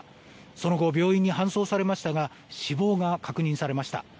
その後、病院に搬送されましたが死亡が確認されました。